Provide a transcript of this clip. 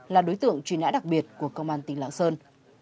là đối tượng truy nã đặc biệt của công an tỉnh lạng sơn